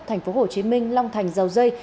tp hcm long thành dầu dây